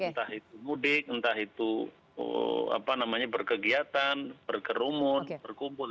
entah itu mudik entah itu berkegiatan berkerumun berkumpul